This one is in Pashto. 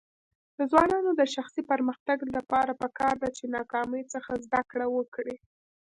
د ځوانانو د شخصي پرمختګ لپاره پکار ده چې ناکامۍ څخه زده کړه وکړي.